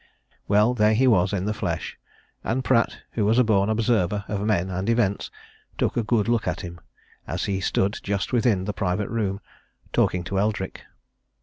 Well, there he was in the flesh; and Pratt, who was a born observer of men and events, took a good look at him as he stood just within the private room, talking to Eldrick.